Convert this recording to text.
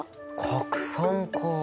「拡散」か。